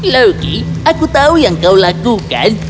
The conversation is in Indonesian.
loki aku tahu yang kau lakukan